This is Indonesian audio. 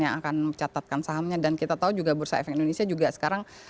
yang akan mencatatkan sahamnya dan kita tahu juga bursa efek indonesia juga sekarang